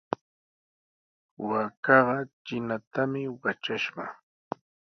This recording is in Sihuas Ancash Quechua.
Waakaqa trinatami watrashqa.